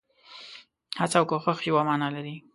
هڅه او کوښښ يوه مانا لري.